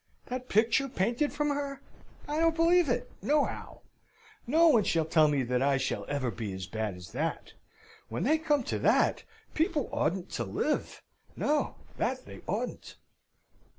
That picture painted from her! I don't believe it, nohow. No one shall tell me that I shall ever be as bad as that! When they come to that, people oughtn't to live. No, that they oughtn't."